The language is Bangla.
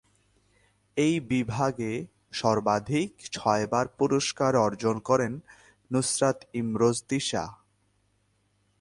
এই বিভাগে সর্বাধিক ছয়বার পুরস্কার অর্জন করেন নুসরাত ইমরোজ তিশা।